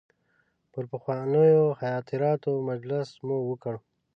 پر پخوانیو خاطراتو مجلس مو وکړ.